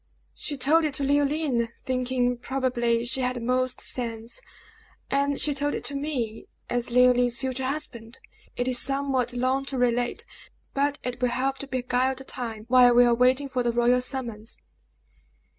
"She told it to Leoline, thinking, probably, she had the most sense; and she told it to me, as Leoline's future husband. It is somewhat long to relate, but it will help to beguile the time while we are waiting for the royal summons."